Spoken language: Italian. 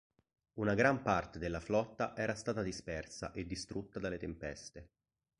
Una gran parte della flotta era stata dispersa e distrutta dalle tempeste.